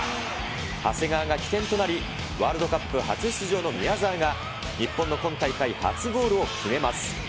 長谷川が起点となり、ワールドカップ初出場の宮澤が日本の今大会初ゴールを決めます。